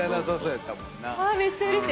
めっちゃうれしい。